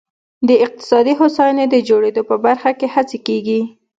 د اقتصادي هوساینې د جوړېدو په برخه کې هڅې کېږي.